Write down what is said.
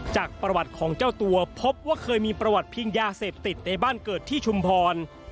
จากประวัติของเจ้าตัวพบว่าเคยมีประวัติพิงยาเสพติดในบ้านเกิดที่ชุมพร